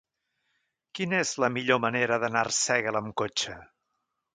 Quina és la millor manera d'anar a Arsèguel amb cotxe?